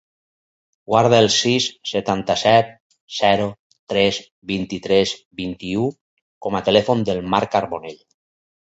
Guarda el sis, setanta-set, zero, tres, vint-i-tres, vint-i-u com a telèfon del Marc Carbonell.